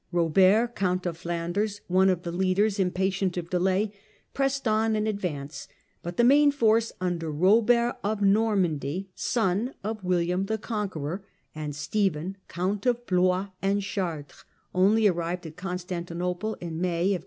Eobert Count of Flanders, one of the leaders, impatient of delay, pressed on in advance, but the main force, under Eobert of Normandy, son of William the Conqueror, and Stephen, Count of Blois and Chartres, only arrived at Constanti nople in May 1097.